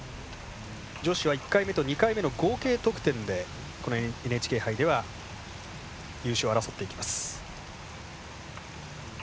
女子は１回目と２回目の合計得点で、このＮＨＫ杯では優勝を争っていきます。